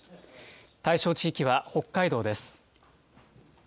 対象地域は北海道です。